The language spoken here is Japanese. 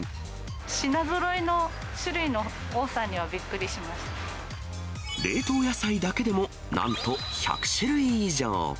品ぞろえの種類の多さにはび冷凍野菜だけでも、なんと１００種類以上。